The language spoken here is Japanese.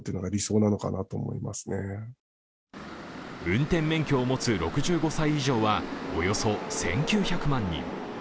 運転免許を持つ６５歳以上はおよそ１９００万人。